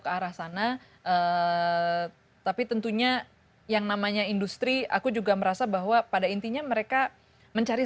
ke arah sana tapi tentunya yang namanya industri aku juga merasa bahwa pada intinya mereka mencari